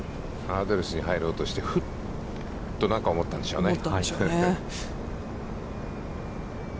アドレスに入ろうとして、何か思ったんでしょうね。